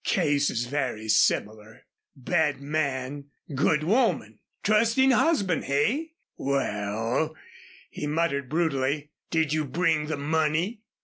"Cases very similar. Bad man good woman. Trusting husband hey? Well," he muttered brutally, "did you bring the money?"